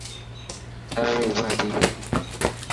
ٿر ري ڀاڄي .